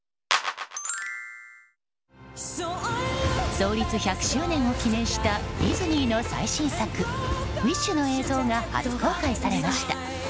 創立１００周年を記念したディズニーの最新作「ウィッシュ」の映像が初公開されました。